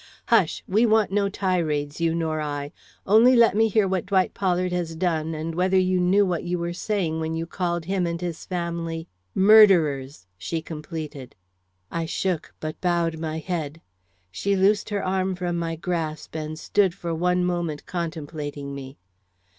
"Hush! we want no tirades, you nor I; only let me hear what Dwight Pollard has done, and whether you knew what you were saying when you called him and his family " "Murderers!" she completed. I shook, but bowed my head. She loosed her arm from my grasp and stood for one moment contemplating me.